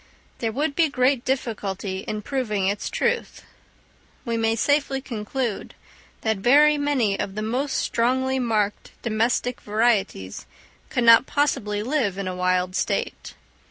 There would be great difficulty in proving its truth: we may safely conclude that very many of the most strongly marked domestic varieties could not possibly live in a wild state.